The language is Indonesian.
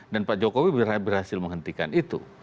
dan pak jokowi berhasil menghentikan itu